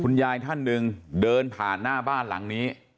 ยายท่านหนึ่งเดินผ่านหน้าบ้านหลังนี้